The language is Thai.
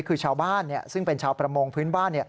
คือชาวบ้านซึ่งเป็นชาวประมงพื้นบ้าน